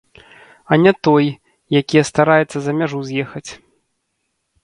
А не той, якія стараецца за мяжу з'ехаць.